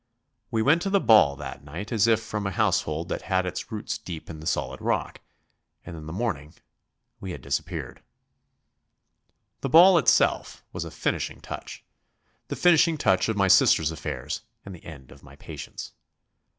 We went to the ball that night as if from a household that had its roots deep in the solid rock, and in the morning we had disappeared. The ball itself was a finishing touch the finishing touch of my sister's affairs and the end of my patience.